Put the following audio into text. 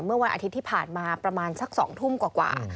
เมื่อวันอาทิตย์ที่ผ่านมาประมาณสัก๒ทุ่มกว่า